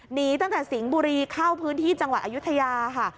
หนีตั้งแต่สิงห์บุรีเข้าพื้นที่จังหวัดอายุทยาค่ะ